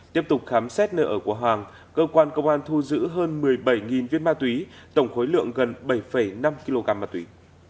tiếp tục khám xét nơi ở của hoàng cơ quan công an thu giữ hơn một mươi bảy viên ma túy tổng khối lượng gần bảy năm kg ma túy